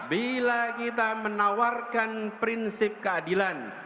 bila kita menawarkan prinsip keadilan